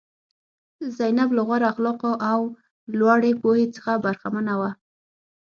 زینب له غوره اخلاقو او لوړې پوهې څخه برخمنه وه.